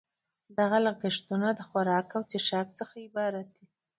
دغه لګښتونه له خوراک او څښاک څخه عبارت دي